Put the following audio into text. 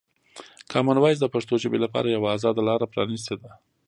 کامن وایس د پښتو ژبې لپاره یوه ازاده لاره پرانیستې ده.